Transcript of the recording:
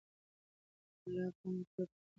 ملا بانګ د یوې پټې وړانګې د نیولو هڅه وکړه.